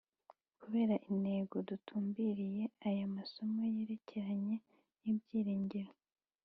Kubera intego dutumbiriye, aya masomo yerekeranye n’ibyiringiro